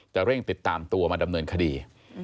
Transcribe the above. เร่งติดตามตัวมาดำเนินคดี